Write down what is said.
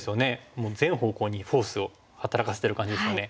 もう全方向にフォースを働かせてる感じですよね。